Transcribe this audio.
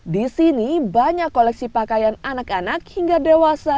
di sini banyak koleksi pakaian anak anak hingga dewasa